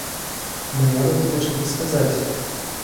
Мне надо тебе что-то сказать.